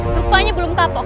lupanya belum tapok